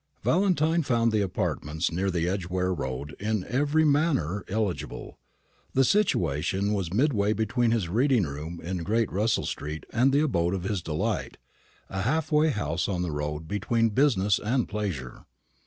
Valentine found the apartments near the Edgeware road in every manner eligible. The situation was midway between his reading room in Great Russell street and the abode of his delight a half way house on the road between business and pleasure.